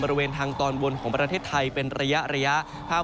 บริเวณทางตอนบนของประเทศไทยเป็นระยะ